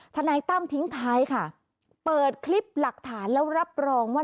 ทนายตั้มทิ้งท้ายค่ะเปิดคลิปหลักฐานแล้วรับรองว่า